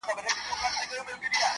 له یوه بامه تر بله یې ځغستله -